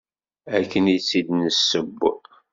Akken i tt-id-nesseww.